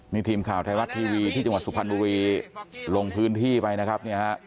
นี่ทีมข่าวไทยรัฐทีวีที่จังหวัดสุพรรณบุรีลงพื้นที่ไปนะครับเนี่ยฮะ